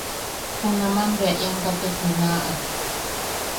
Junaman bea ian katek junaʼa.